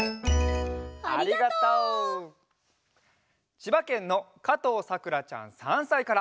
ちばけんのかとうさくらちゃん３さいから。